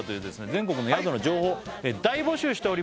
全国の宿の情報大募集しております